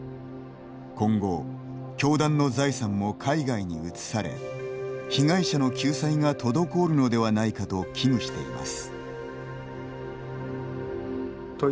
今後、教団の財産も海外に移され被害者の救済が滞るのではないかと危惧しています。